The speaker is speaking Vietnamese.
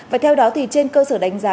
và theo đó thì trên cơ sở đánh giá